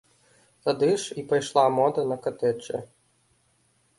Тады ж і пайшла мода на катэджы.